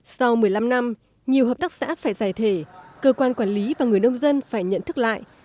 sau một mươi năm năm nhiều hợp tác xã phải giải thể cơ quan quản lý và người nông dân phải nhận thức lại